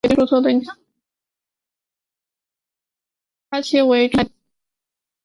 花期为春夏季。